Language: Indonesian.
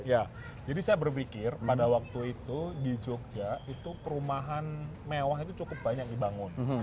ya jadi saya berpikir pada waktu itu di jogja itu perumahan mewah itu cukup banyak dibangun